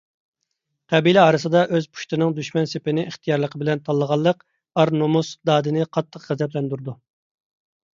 قەبىلە ئارىسىدا ئۆز پۇشتىنىڭ دۈشمەن سېپىنى ئىختىيارلىقى بىلەن تاللىغانلىق ئار - نومۇس دادىنى قاتتىق غەزەپلەندۈرىدۇ.